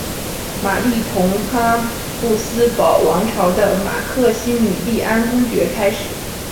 玛丽同哈布斯堡王朝的马克西米利安公爵开始。